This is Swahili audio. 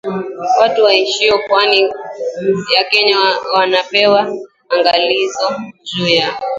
watu waishio pwani ya kenya wamepewa angalizo juu ya